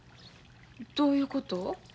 どういうこと？